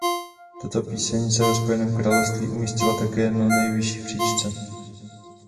Tato píseň se ve Spojeném království umístila také na nejvyšší příčce.